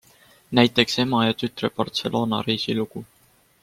Näiteks ema ja tütre Barcelona-reisi lugu.